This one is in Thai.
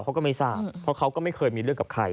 เขาก็ไม่ทราบเพราะเขาก็ไม่เคยมีเรื่องกับใคร